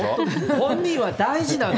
本人は大事なの。